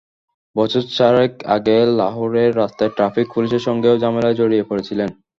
বছর চারেক আগে লাহোরের রাস্তায় ট্রাফিক পুলিশের সঙ্গেও ঝামেলায় জড়িয়ে পড়েছিলেন।